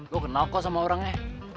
gue kenal kok sama orangnya